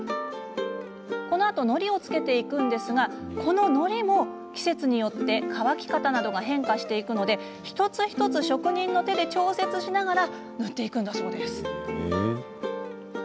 このあとはのりを付けていくんですがこの、のりも季節によって乾き方などが変化していくため一つ一つ職人の手で調節しながら塗っていくんだそうです。